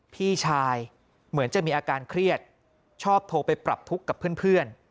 พี่ชายเหมือนจะมีอาการเครียดชอบโทรไปปรับทุกข์กับเพื่อน